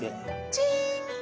チン！